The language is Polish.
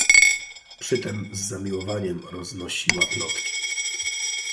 "Przytem z zamiłowaniem roznosiła plotki."